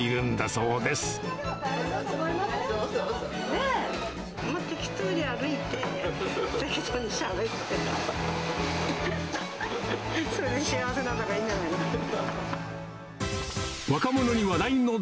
それで幸せなんだからいいんじゃないの。